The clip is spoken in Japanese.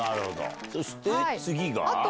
そして次が？